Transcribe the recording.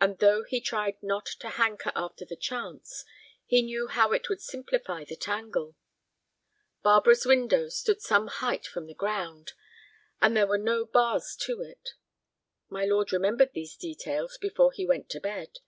And though he tried not to hanker after the chance, he knew how it would simplify the tangle. Barbara's window stood some height from the ground, and there were no bars to it. My lord remembered these details before he went to bed.